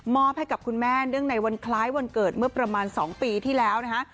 ให้กับคุณแม่เนื่องในวันคล้ายวันเกิดเมื่อประมาณ๒ปีที่แล้วนะคะ